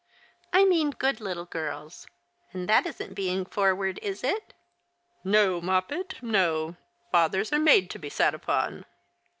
" I mean good little girls. And that isn't being forward, is it ?" "No, Moppet, no. Fathers are made to be sat upon